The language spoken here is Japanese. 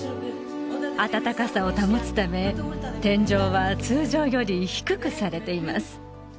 暖かさを保つため天井は通常より低くされています